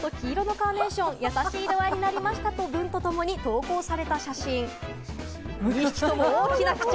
農協で買った白と黄色のカーネーション、優しい色合いになりましたと、文とともに投稿された写真。